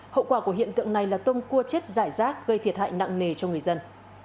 hậu quả của hiện tượng này là tôm cua chết giải rác gây thiệt hại nặng nề cho người dân